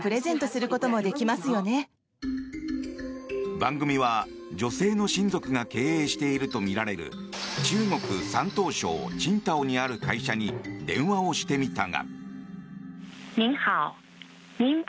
番組は女性の親族が経営しているとみられる中国・山東省青島にある会社に電話をしてみたが。